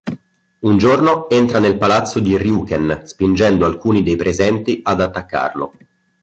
Un giorno entra nel palazzo di Ryuken, spingendo alcuni dei presenti ad attaccarlo.